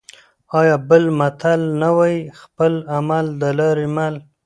آیا بل متل نه وايي: خپل عمل د لارې مل؟